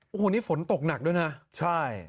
โอ้โหนี่ฝนตกหนักด้วยนะใช่